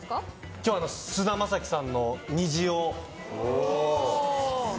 今日は菅田将暉さんの「虹」を。